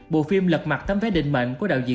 bộ phim lật mặt tấm vé định mệnh của đạo diễn